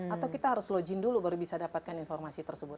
atau kita harus login dulu baru bisa dapatkan informasi tersebut